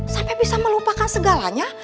sampai bisa melupakan segalanya